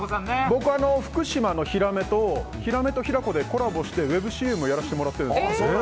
僕、福島のヒラメと平子でコラボしてウェブＣＭやらせてもらってるんです。